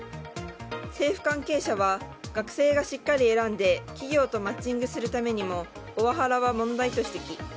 政府関係者は学生がしっかり選んで企業とマッチングするためにもオワハラは問題と指摘。